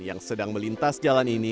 yang sedang melintas jalan ini